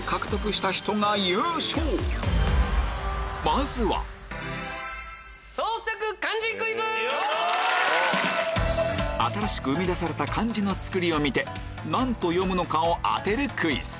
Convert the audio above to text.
まずは新しく生み出された漢字のつくりを見て何と読むのかを当てるクイズ